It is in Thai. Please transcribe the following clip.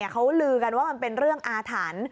เขาลือกันว่ามันเป็นเรื่องอาถรรพ์